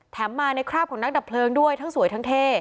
มาในคราบของนักดับเพลิงด้วยทั้งสวยทั้งเท่